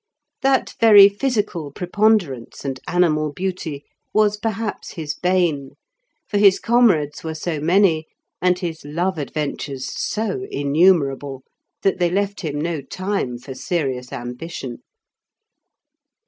That very physical preponderance and animal beauty was perhaps his bane, for his comrades were so many, and his love adventures so innumerable, that they left him no time for serious ambition.